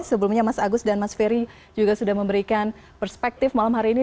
sebelumnya mas agus dan mas ferry juga sudah memberikan perspektif malam hari ini